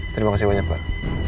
terima kasih banyak pak